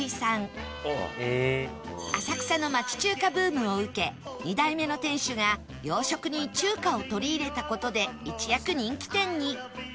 浅草の町中華ブームを受け２代目の店主が洋食に中華を取り入れた事で一躍人気店に